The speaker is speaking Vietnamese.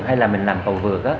hay là mình làm cầu vượt